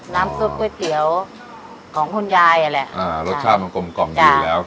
น้ำซุปก๋วยเตี๋ยวของคุณยายนั่นแหละอ่ารสชาติมันกลมกล่อมดีอยู่แล้ว